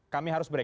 kami harus bere